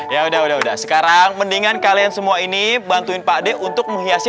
ya udah udah sekarang mendingan kalian semua ini bantuin pak de untuk menghiasi